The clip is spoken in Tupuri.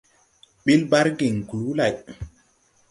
Ɓil bargiŋ kluu lay.